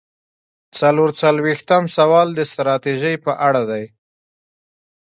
څلور څلویښتم سوال د ستراتیژۍ په اړه دی.